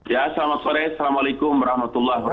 ya selamat sore assalamualaikum wr wb